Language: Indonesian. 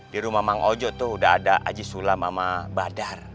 di rumah mang ojo tuh udah ada aji sulam sama badar